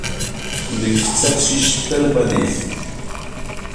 Nekk d taqcict talbanit.